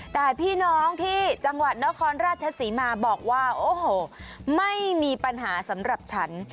แต่พี่น้องที่จังหวัดนครราชศรีมาบอกว่าโอ้โหไม่มีปัญหาสำหรับฉัน